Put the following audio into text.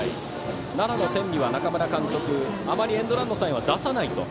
奈良の天理は中村監督あまりエンドランのサインは出さないと。